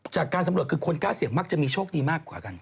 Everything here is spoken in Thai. จากการสำรวจคือคนกล้าเสี่ยงมักจะมีโชคดีมากกว่ากัน